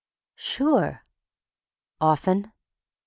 "Sure!" "Often?"